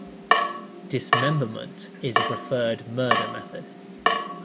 Dismemberment is a preferred murder method.